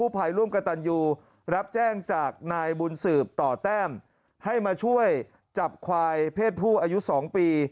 ปรากฏว่ามันหนี